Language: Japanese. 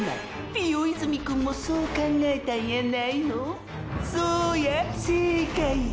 ピヨ泉くんもそう考えたんやないの⁉そうや正解や！！